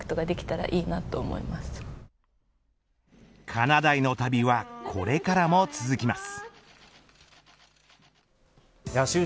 かなだいの旅はこれからも続きます。